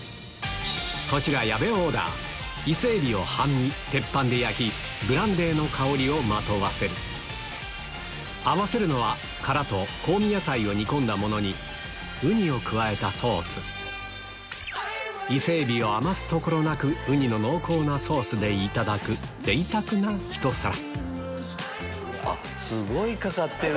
こちら矢部オーダー半身鉄板で焼きブランデーの香りをまとわせる合わせるのは殻と香味野菜を煮込んだものにウニを加えたソースイセエビを余すところなくウニの濃厚なソースでいただく贅沢なひと皿あっすごいかかってる。